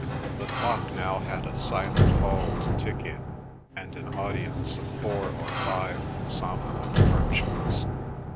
The clock now had a silent hall to tick in, and an audience of four or five somnolent merchants.